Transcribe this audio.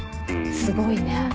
すごいね。